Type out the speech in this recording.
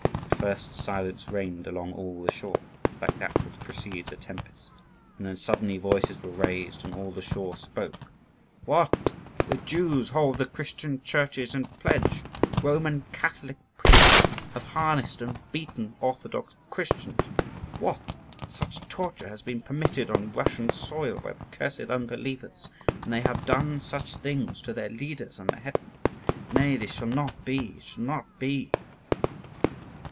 At first silence reigned all along the shore, like that which precedes a tempest; and then suddenly voices were raised and all the shore spoke: "What! The Jews hold the Christian churches in pledge! Roman Catholic priests have harnessed and beaten orthodox Christians! What! such torture has been permitted on Russian soil by the cursed unbelievers! And they have done such things to the leaders and the hetman? Nay, this shall not be, it shall not be."